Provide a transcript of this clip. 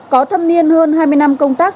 có thâm niên hơn hai mươi năm công tác